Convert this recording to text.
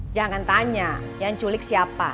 jangan tanya yang culik siapa